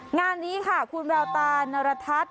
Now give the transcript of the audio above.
งานนี้ค่ะคุณแววตานรทัศน์